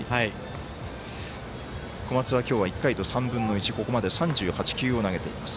小松は今日、１回と３分の１ここまで３８球を投げています。